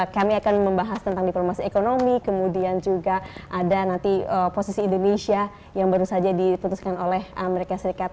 kami akan membahas tentang diplomasi ekonomi kemudian juga ada nanti posisi indonesia yang baru saja dituntaskan oleh amerika serikat